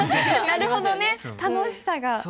なるほどね楽しさが。